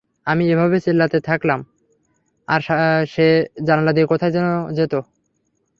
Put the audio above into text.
আমি এভাবে চিল্লাতে থাকতাম আর সে জানালা দিয়ে কোথায় যেন যেত!